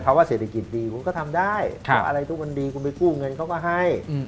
เพราะว่าเศรษฐกิจดีคุณก็ทำได้อะไรที่มันดีคุณไปกู้เงินเขาก็ให้